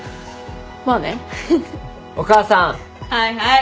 はいはい。